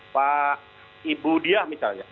pak ibu diah misalnya